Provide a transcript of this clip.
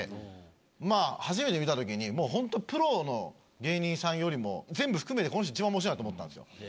まぁ初めて見たときにもう本当プロの芸人さんよりも全部含めてこの人一番面白いなと思ったんですよ。